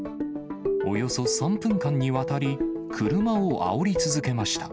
およそ３分間にわたり、車をあおり続けました。